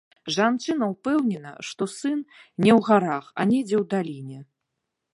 Жанчына ўпэўнена, што сын не ў гарах, а недзе ў даліне.